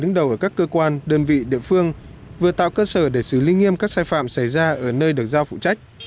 đứng đầu ở các cơ quan đơn vị địa phương vừa tạo cơ sở để xử lý nghiêm các sai phạm xảy ra ở nơi được giao phụ trách